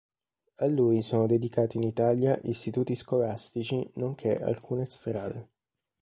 A lui sono dedicati in Italia istituti scolastici nonché alcune strade.